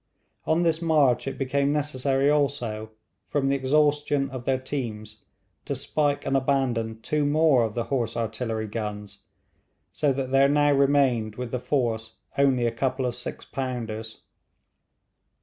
On this march it became necessary also, from the exhaustion of their teams, to spike and abandon two more of the horse artillery guns; so that there now remained with the force only a couple of six pounders.